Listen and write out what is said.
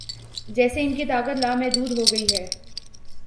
جیسے ان کی طاقت لامحدود ہو گئی ہے۔